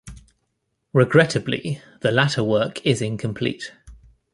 Regrettably, the latter work is incomplete.